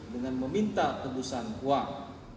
dengan meminta kebusan uang